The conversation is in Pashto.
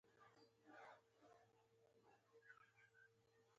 لعل پورې ولسوالۍ پوله ده؟